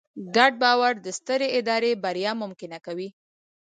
ګډ باور د سترې ادارې بریا ممکنه کوي.